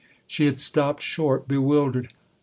'* She had stopped short, bewildered.